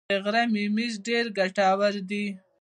د غره ممیز ډیر ګټور دي